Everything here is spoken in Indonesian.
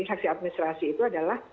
seleksi administrasi itu adalah